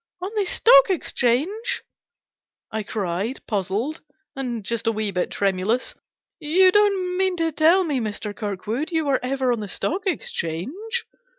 " On the Stock Exchange !" I cried, puzzled, and just a wee bit tremulous. " You don't mean to tell me, Mr. Kirkwood, you were ever on the Stock Exchange